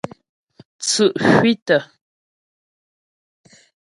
Tsʉ́' kwítə.